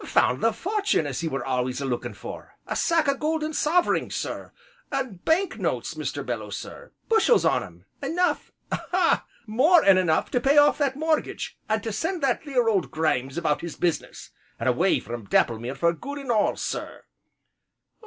"Found the fortun' as he were always a lookin' for, a sack o' golden soverings, sir, an' bank notes, Mr. Belloo, sir, bushels on 'em; enough ah! more 'n enough to pay off that mortgage, and to send that theer old Grimes about his business, an' away from Dapplemere for good an' all, sir."